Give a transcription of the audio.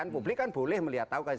publik kan boleh melihat tahu